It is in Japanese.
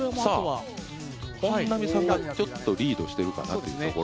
本並さんがちょっとリードしているかなというところ。